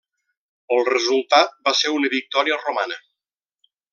El resultat va ser una victòria romana.